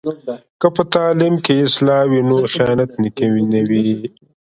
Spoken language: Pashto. که په تعلیم کې اصلاح وي نو خیانت نه وي.